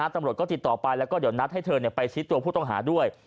ตำรวจก็ติดต่อไปแล้วก็เดี๋ยวนัดให้เธอไปชี้ตัวผู้ต้องหาด้วย